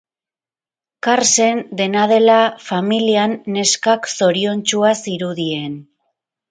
Karsen, dena dela, familian, neskak zoriontsua zirudien.